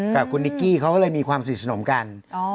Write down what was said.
กับคุณนิกกี้เขาก็เลยมีความสนิทสนมกัน